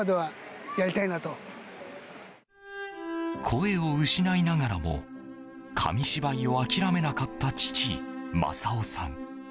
声を失いながらも紙芝居を諦めなかった父・正雄さん。